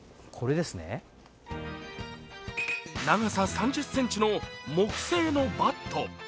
長さ３０ｃｍの木製のバット。